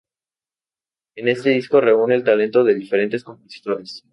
En este disco reúne el talento de diferentes compositores.